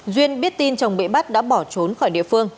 duyên biết tin chồng bị bắt đã bỏ trốn khỏi địa phương